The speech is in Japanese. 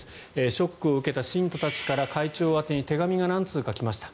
ショックを受けた信徒たちから会長宛てに手紙が何通か来きました